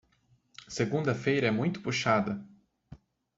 Segunda-feira é muito puxada.